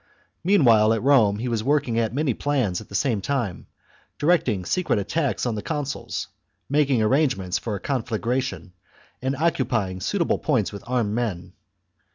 Meanwhile at Rome he was working at many plans at the same time, directing secret attacks on the consuls, making arrangements for a conflagration, and occupying suit able points with armed men.